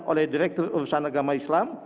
oleh direktur urusan agama islam